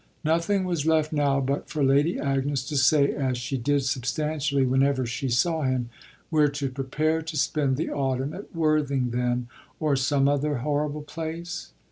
Nothing was left now but for Lady Agnes to say, as she did substantially whenever she saw him: "We're to prepare to spend the autumn at Worthing then or some other horrible place?